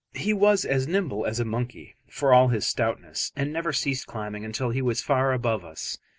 He was as nimble as a monkey for all his stoutness, and never ceased climbing until he was far above us.